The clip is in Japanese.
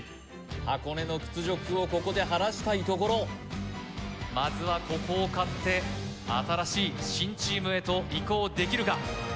箱根の屈辱をここで晴らしたいところまずはここを勝って新しい新チームへと移行できるか？